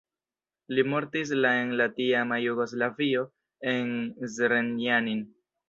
Li mortis la en la tiama Jugoslavio en Zrenjanin.